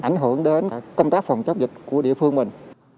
ảnh hưởng đến công tác phòng chống dịch của địa phương mình